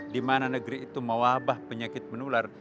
dimana negeri itu mewabah penyakit menular